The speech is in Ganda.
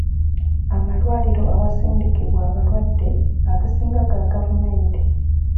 Amalwaliro awasindikibwa abalwadde agasinga ga gavumenti.